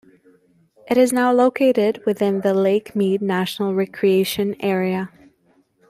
It is now located within the Lake Mead National Recreation Area.